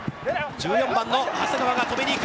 １４番の長谷川が止めに行く。